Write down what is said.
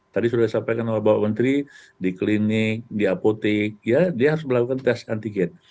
tadi sudah disampaikan oleh bapak menteri di klinik di apotek dia harus melakukan tes antigen